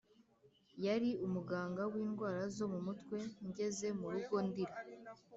yari umuganga windwara zo mumutwe ngeze murugo ndira.